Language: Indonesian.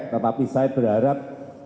tetapi saya berharap